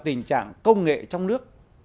tình trạng công nghệ trong nước